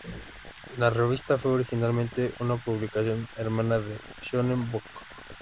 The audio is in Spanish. La revista fue originalmente una publicación hermana al "Shōnen Book".